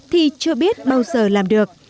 thì chưa biết bao giờ làm được